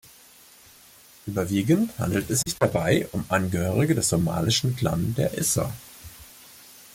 Überwiegend handelt es sich dabei um Angehörige des somalischen Clan der Issa.